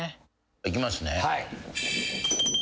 いきますね。